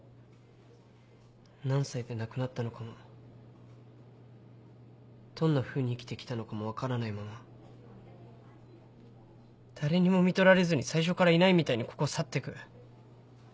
何歳で亡くなったのかもどんなふうに生きてきたのかも分からないまま誰にもみとられずに最初からいないみたいにここを去ってく。